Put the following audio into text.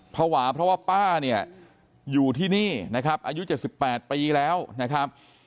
ภาวะเพราะว่าป้าเนี่ยอยู่ที่นี่นะครับอายุ๗๘ปีแล้วนะครับ